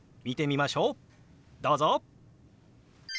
どうぞ！